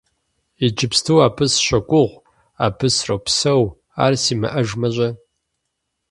Иджыпсту абы сыщогугъ, абы сропсэу, ар симыӀэжмэ-щэ?